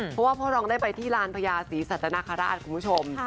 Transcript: เพราะว่าพ่อรองได้ไปที่ลานพญาศรีสัตนคราชคุณผู้ชม